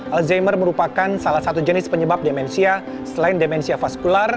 alzheimer merupakan salah satu jenis penyebab demensia selain demensia vaskular